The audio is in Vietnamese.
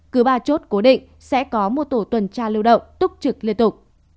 cứ ba chốt cố định sẽ có một tổ tuần tra lưu động túc trực liên tục